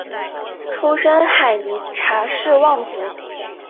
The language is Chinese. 出身海宁查氏望族。